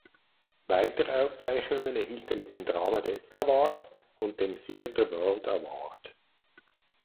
Weitere Auszeichnungen erhielt er mit dem Drama Desk Award und dem Theatre World Award.